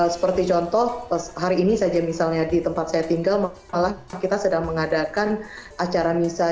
seperti contoh hari ini saja misalnya di tempat saya tinggal malah kita sedang mengadakan acara misal